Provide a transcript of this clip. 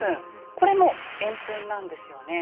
これも円墳なんですよね。